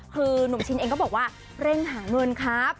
คือหนุ่มชินเองก็บอกว่าเร่งหาเงินครับ